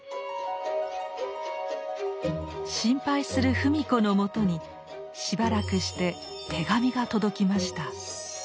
心配する芙美子の元にしばらくして手紙が届きました。